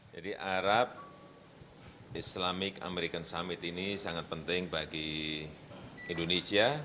jadi arab islamic american summit ini sangat penting bagi indonesia